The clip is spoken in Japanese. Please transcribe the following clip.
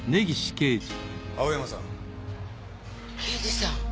刑事さん！